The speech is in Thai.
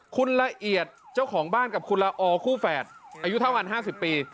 คุณละเอียดเจ้าของบ้านกับคุณละออคู่แฝดอายุเท่ากัน๕๐ปี